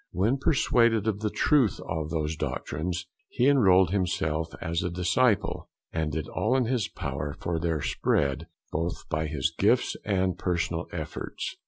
When persuaded of the truth of those doctrines he enrolled himself as a disciple, and did all in his power for their spread, both by his gifts and personal efforts.